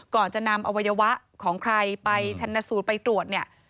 ก่อนจะนำอวัยวะของใครไปชันสูตรไปตรวจเนี่ย